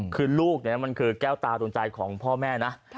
คือลูกเนี่ยมันคือแก้วตาดวงใจของพ่อแม่นะ